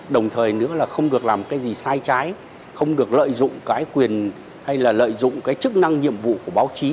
đồng thời nữa là không được làm cái gì sai trái không được lợi dụng cái quyền hay là lợi dụng cái chức năng nhiệm vụ của báo chí